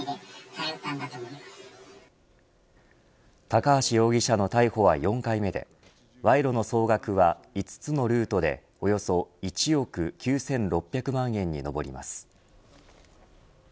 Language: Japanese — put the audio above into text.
高橋容疑者の逮捕は４回目で賄賂の総額は５つのルートでおよそ１億９６００万円に上ります。